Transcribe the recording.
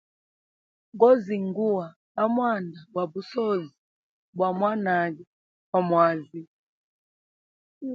Gozingua a mwanda gwa busozi bwa mwanage gwa mwazi.